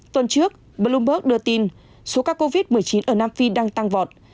tuần trước bloomberg đưa tin số ca covid một mươi chín ở nam phi đang tăng vọt